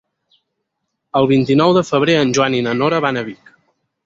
El vint-i-nou de febrer en Joan i na Nora van a Vic.